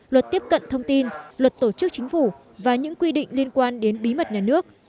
luật tiếp cận thông tin luật tổ chức chính phủ và những quy định liên quan đến bí mật nhà nước